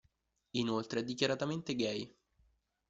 Inoltre è dichiaratamente gay.